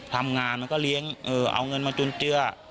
ทำงานมันก็เอาเงินมาจุนเจื้อ